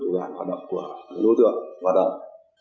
thủ đoàn hoạt động